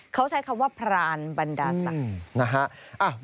เขาใช้คำว่าพรานบรรดาศักดิ์นะฮะ